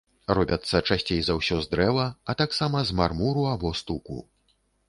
Робяцца часцей за ўсё з дрэва, а таксама з мармуру або стуку.